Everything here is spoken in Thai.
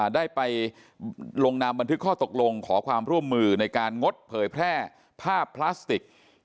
ได้ไปลงนามบันทึกข้อตกลงขอความร่วมมือในการงดเผยแพร่ภาพพลาสติก